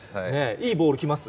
いいボール来ます？